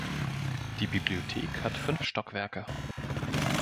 Die Bibliothek hat fünf Stockwerke.